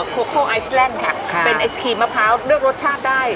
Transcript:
โคโคไอชแลนด์ค่ะเป็นไอศครีมมะพร้าวเลือกรสชาติได้